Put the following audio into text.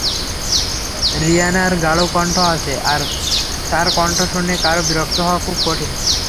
রিয়ানার গাঢ় কণ্ঠ আছে, তার কণ্ঠ শুনে কারও বিরক্ত হওয়া খুব কঠিন।